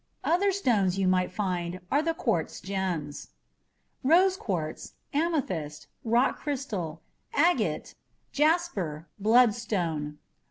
Other stones you might find are the quartz gems: rose quartz, amethyst, rock crystal, agate, jasper, bloodstone.